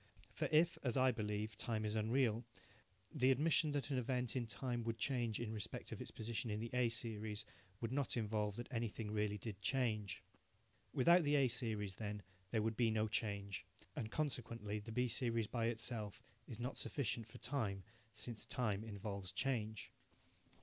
For if, as I believe, time is unreal, the admission that an event in time would change in respect of its position in the A series would not involve that anything really did change. Without the A series then, there would be no change, and consequently the B series by itself is not sufficient for time, since time involves change.